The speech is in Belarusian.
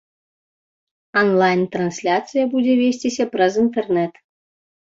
Онлайн-трансляцыя будзе весціся праз інтэрнэт.